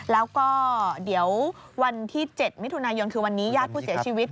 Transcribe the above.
แล้วก็เดี๋ยววันที่๗มิถุนายนคือวันนี้ญาติผู้เสียชีวิต